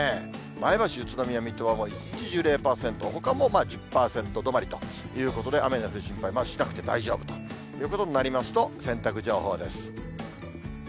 前橋、宇都宮、水戸はもう、一日中０％、ほかも１０％止まりということで、雨の降る心配はまず、しなくて大丈夫ということになりますと、洗濯情報です。